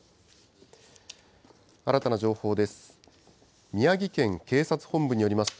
新たな情報です。